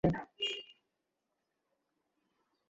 তিনি ইলেকশন ট্রাইবুনালের চেয়ারম্যান হিসেবেও দায়িত্ব করেন।